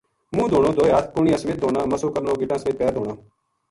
منہ دھونو، دوئے ہتھ کہنیاں سمیت دھونا، مسحو کرنو، گٹاں سمیت پیر دھونا۔